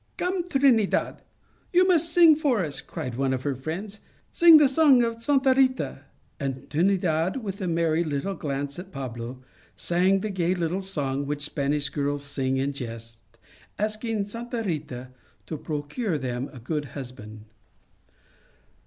" Come, Trinidad, you must sing for us," cried one of her friends. " Sing the song of Santa Rita," and Trinidad, with a merry little glance at Pablo, sang the gay little song which Spanish girls sing in jest, asking Santa Rita to procure them a good husband.